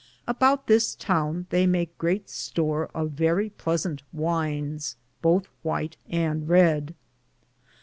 Aboute this toune theye make greate store of verrie pleasante wynes, bothe whyte and reed.